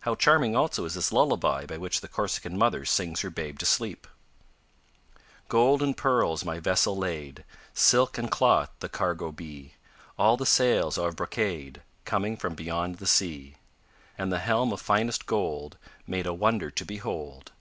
How charming also is this lullaby by which the Corsican mother sings her babe to sleep! Gold and pearls my vessel lade, Silk and cloth the cargo be, All the sails are of brocade Coming from beyond the sea; And the helm of finest gold, Made a wonder to behold.